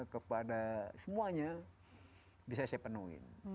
kepada semuanya bisa saya penuhi